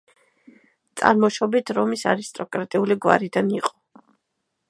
წარმოშობით რომის არისტოკრატიული გვარიდან იყო.